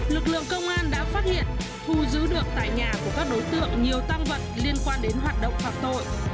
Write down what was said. lực lượng công an đã phát hiện thu giữ được tại nhà của các đối tượng nhiều tam vật liên quan đến hoạt động phạm tội